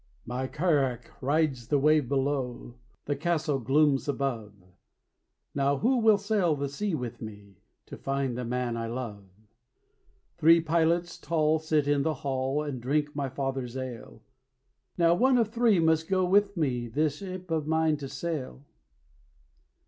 My carrack rides the wave below, The castle glooms above "Now who will sail the sea with me, To find the man I love?" Three pilots tall sit in the hall, And drink my father's ale "Now one of three must go with me, This ship of mine to sail."